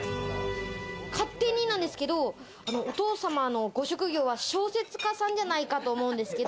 勝手になんですけど、お父様のご職業は小説家さんじゃないかと思うんですけど。